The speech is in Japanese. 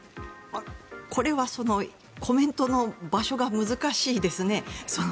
これはコメントの場所が難しいですね。